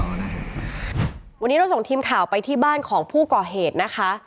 วันนี้เราส่งทีมข่าวไปที่บ้านของผู้ก่อเหตุนะคะ